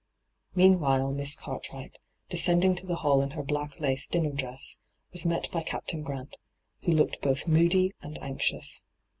Meanwhile Miss Cartwright, descending to the hall in her black lace dinner dress, was met by Captain Grant, who looked both moody and anxious.